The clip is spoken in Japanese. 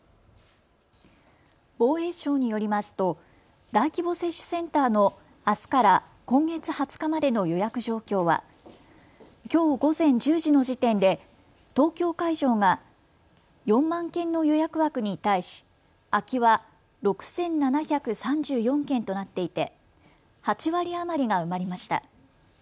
防衛省によりますと大規模接種センターのあすから今月２０日までの予約状況はきょう午前１０時の時点で東京会場が４万件の予約枠に対し、空きは６７３４件となっていて８割余りが埋まりました。